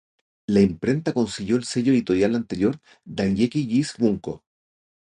La imprenta consiguió el sello editorial anterior Dengeki G's Bunko.